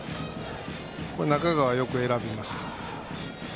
中川はよく選びました。